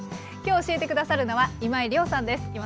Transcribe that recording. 今日教えて下さるのは今井亮さんです。